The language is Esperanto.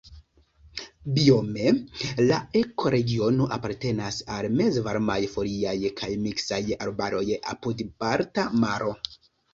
Biome la ekoregiono apartenas al mezvarmaj foliaj kaj miksaj arbaroj apud Balta Maro.